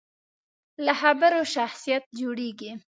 له خبرو شخصیت جوړېږي.